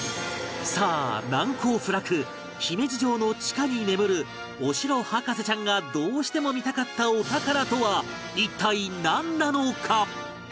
さあ難攻不落姫路城の地下に眠るお城博士ちゃんがどうしても見たかったお宝とは一体なんなのか？